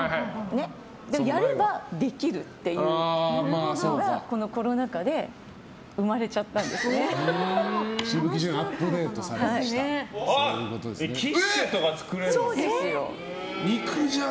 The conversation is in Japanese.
やればできるっていうのがこのコロナ禍で生まれちゃったんですね。